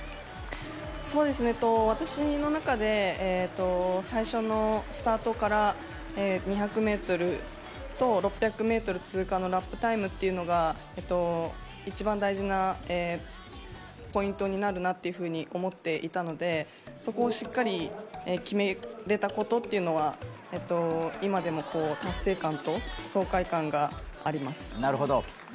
私の中で最初のスタートから２００ｍと６００ｍ通過のラップタイムというのが一番大事なポイントになるなというふうに思っていたのでそこをしっかり決めれたことは今でも達成感と爽快感があります。